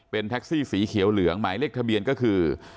เป็นแท็กซี่สีเขียวเหลืองหมายเลขทะเบียนก็คือ